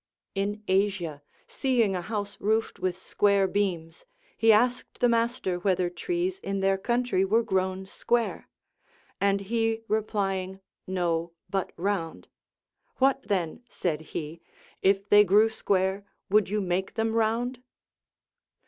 In Asia, seeing a house roofed with square beams, he asked the master whether trees in their country Λvere grown square. And lie replying, No, but round ; What then, said he, if they grew square, woukl you make them round?